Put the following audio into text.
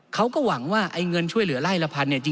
เขาก็หวังว่าไอ้เงินช่วยเหลือไล่ละพันเนี่ย